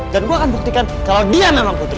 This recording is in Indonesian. dan gue akan buktikan kalau dia memang putri